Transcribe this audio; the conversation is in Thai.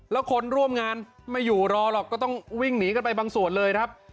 แล้วคนร่วมงานไม่อยู่รอหรอกก็ต้องวิ่งหนีกันไปบางส่วนเลยครับ